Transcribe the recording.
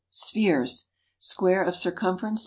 =Spheres.= Square of circumference ×